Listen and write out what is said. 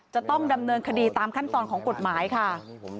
จะต้องดำเนินคดีตามขั้นตอนของกฎหมายค่ะ